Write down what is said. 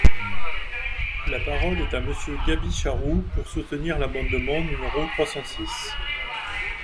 La parole est à Monsieur Gaby Charroux, pour soutenir l’amendement numéro trois cent six.